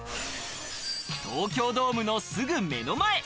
東京ドームのすぐ目の前。